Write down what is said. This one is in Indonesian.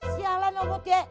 sialan lo bu tia